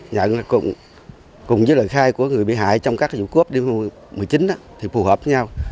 nhận cùng với lời khai của người bị hại trong các vụ cướp điều một mươi chín thì phù hợp với nhau